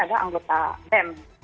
ada anggota bem